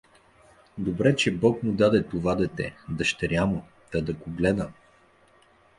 Добре, че бог му даде това дете, дъщеря му, та да го гледа.